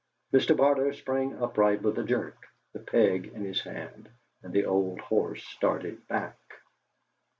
Mr. Barter sprang upright with a jerk, the peg in his hand, and the old horse started back.